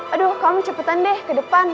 aduh kamu cepetan deh ke depan